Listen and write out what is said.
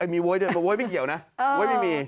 มีโว้ยด้วยแต่โว้ยไม่เกี่ยวนะโว้ยไม่มี